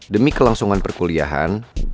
demi kelangsungan perkuliahan